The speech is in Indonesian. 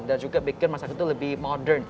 dan juga bikin masyarakat itu lebih modern